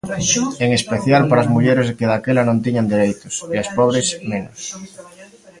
En especial para as mulleres que daquela non tiñan dereitos, e as pobres, menos.